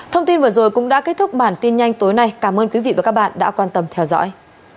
thông tin vừa rồi cũng đã kết thúc bản tin nhanh tối nay cảm ơn quý vị và các bạn đã quan tâm theo dõi